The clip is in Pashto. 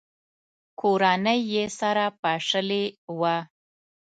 کورنۍ یې سره پاشلې وه.